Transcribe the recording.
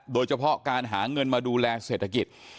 โดยเฉพาะการหาเงินมาดูแลเศรษฐกิจ